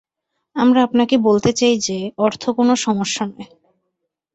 আমরা আপনাকে বলতে চাই যে অর্থ কোনো সমস্যা নয়।